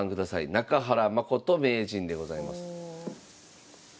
中原誠名人でございます。